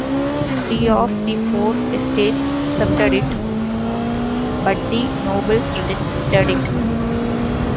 Three of the four estates accepted it, but the Nobles rejected it.